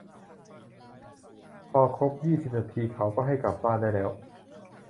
พอครบยี่สิบนาทีเขาก็ให้กลับบ้านได้แล้ว